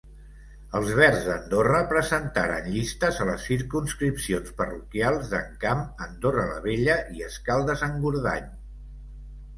Els Verds d'Andorra presentaren llistes a les circumscripcions parroquials d'Encamp, Andorra la Vella i Escaldes-Engordany.